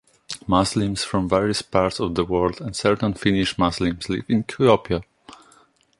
Muslims from various parts of the world and certain Finnish Muslims live in Kuopio.